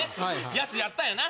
やつやったんやな。